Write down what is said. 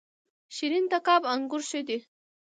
شیرین تګاب انګور ښه دي؟